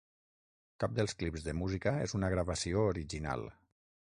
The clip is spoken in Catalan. Cap dels clips de música és una gravació original.